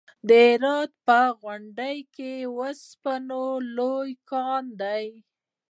د هرات په غوریان کې د وسپنې لوی کان دی.